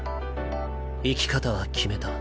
生き方は決めた。